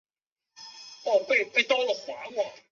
斜肩芋螺为芋螺科芋螺属下的一个种。